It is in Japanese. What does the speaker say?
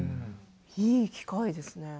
いい機会ですね。